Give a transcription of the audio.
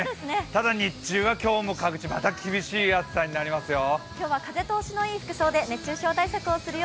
ただ日中は今日も各地また厳しい暑さになりますよ。